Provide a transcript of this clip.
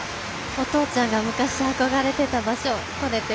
お父ちゃんが昔憧れてた場所